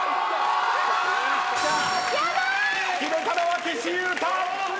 決めたのは岸優太！